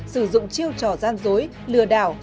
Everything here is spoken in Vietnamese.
sử dụng chiêu trò gian dối lừa đảo